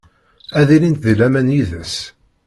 Ad ilint di laman yid-s.